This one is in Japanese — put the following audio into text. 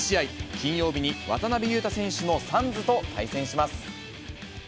金曜日に渡邊雄太選手のサンズと対戦します。